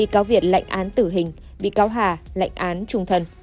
cáo việt lãnh án tử hình bị cáo hà lãnh án trung thân